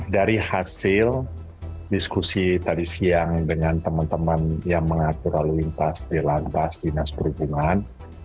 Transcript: dari hasil diskusi tadi siang dengan teman teman yang mengatur lalu lintas di lantas dinas perhubungan